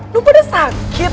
lo pada sakit